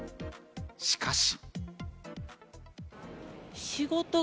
しかし。